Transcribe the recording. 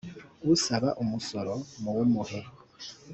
usaba umusoro muwumuhe